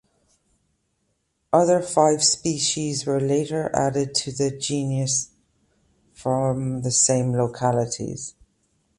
Other five species were later added to the genus from the same localities.